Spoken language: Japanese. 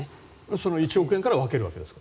その１億円から分けるわけですか。